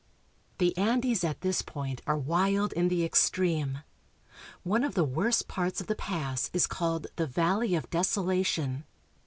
The Andes at this point are wild in the extreme. One of the worst parts of the pass is called the Valley of Deso lation.